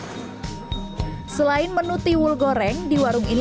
goreng di warung ini terdapat banyak makanan yang dikeringkan dan dikeringkan dengan tepung dan